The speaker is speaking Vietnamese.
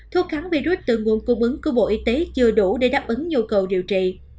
thuốc kháng virus từ nguồn cung ứng của bộ y tế chưa đủ để đáp ứng nhu cầu điều trị